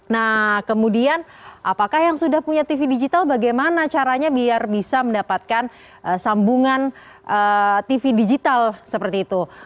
nah kemudian apakah yang sudah punya tv digital bagaimana caranya biar bisa mendapatkan sambungan tv digital seperti itu